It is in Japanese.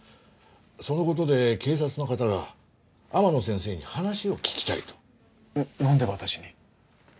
そのことで警察の方が天野先生に話を聞きたいと何で私に？